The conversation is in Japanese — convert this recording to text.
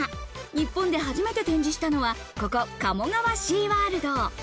日本で初めて展示したのは、ここ、鴨川シーワールド。